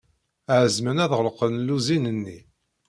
Ɛezmen ad ɣelqen lluzin-nni.